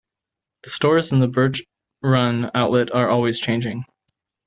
The stores in the Birch Run outlet are always changing.